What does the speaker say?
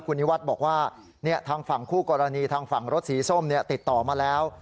คุณนิวัฒน์บอกว่าทางฝั่งคู่กรณีทางฝั่งรถสีส้มติดต่อมาแล้ว